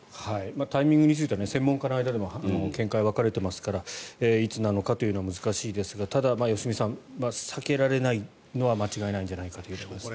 タイミングについては専門家の間でも見解が分かれていますからいつなのかというのは難しいですがただ良純さん、避けられないのは間違いないんじゃないかというところですね。